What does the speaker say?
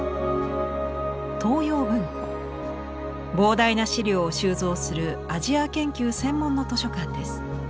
膨大な資料を収蔵するアジア研究専門の図書館です。